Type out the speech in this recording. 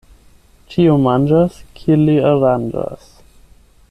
Ĉiu manĝas, kiel li aranĝas.